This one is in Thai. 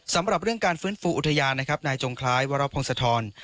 สำหรับเรื่องการฟื้นฟูอุทยานนะครับนายจงคล้ายวรพงศธร